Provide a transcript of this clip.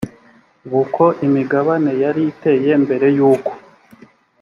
b uko imigabane yari iteye mbere y uko